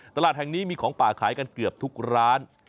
ตลาดแห่งนี้มีของป่าขายกันเกือบทุกร้าน